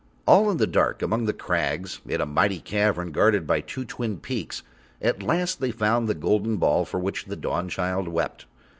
All in the dark among the crags in a mighty cavern, guarded by two twin peaks, at last they found the golden ball for which the Dawnchild wept.